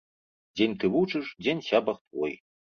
Дзень ты вучыш, дзень сябар твой.